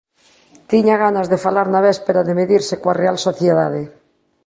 Tiña ganas de falar na véspera de medirse coa Real Sociedade.